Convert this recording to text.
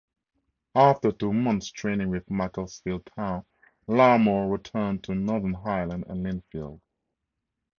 After two months training with Macclesfield Town, Larmour returned to Northern Ireland and Linfield.